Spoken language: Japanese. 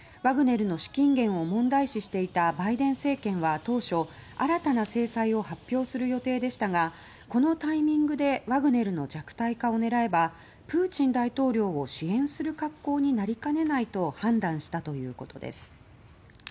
「ワグネル」の資金源を問題視していたバイデン政権は当初新たな制裁を発表する予定でしたがこのタイミングで「ワグネル」の弱体化を狙えばプーチン大統領を支援する恰好になりかねないと判断したということです。